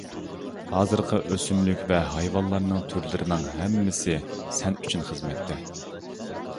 ھازىرقى ئۆسۈملۈك ۋە ھايۋانلارنىڭ تۈرلىرىنىڭ ھەممىسى سەن ئۈچۈن خىزمەتتە.